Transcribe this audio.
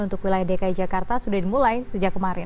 untuk wilayah dki jakarta sudah dimulai sejak kemarin